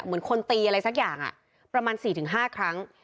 เหมือนคนตีอะไรสักอย่างอ่ะประมาณสี่ถึงห้าครั้ง